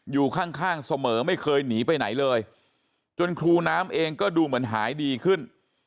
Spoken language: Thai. อยู่ข้างเสมอไม่เคยหนีไปไหนเลยจนครูน้ำเองก็ดูเหมือนหายดีขึ้น